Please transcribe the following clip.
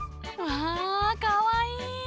わあかわいい！